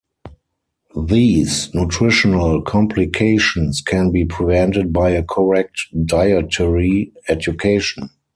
These nutritional complications can be prevented by a correct dietary education.